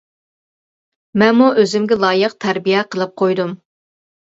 مەنمۇ ئۆزۈمگە لايىق تەربىيە قىلىپ قويدۇم.